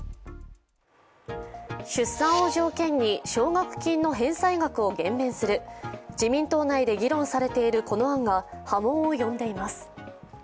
出産を条件に奨学金の返済額を減免する、自民党内で議論されているこの案が波紋を呼んでいます。